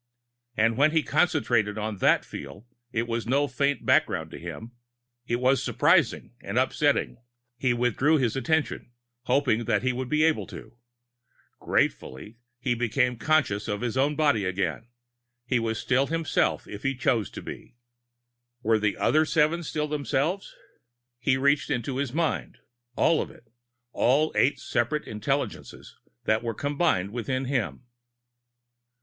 And when he concentrated on that feel, it was no faint background to him. It was surprising and upsetting. He withdrew his attention hoping that he would be able to. Gratefully, he became conscious of his own body again. He was still himself if he chose to be. Were the other seven still themselves? He reached into his mind all of it, all eight separate intelligences that were combined within him.